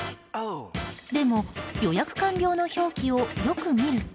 でも、予約完了の表記をよく見ると。